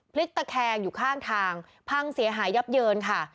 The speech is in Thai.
พลิกตะแคงอยู่ข้างทางพังเสียหายยับเยินค่ะ